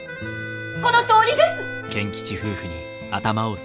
このとおりです！